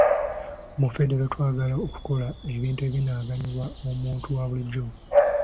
Mu Federo twagala okukola ebintu ebinaganyula omuntu wa bulijjo.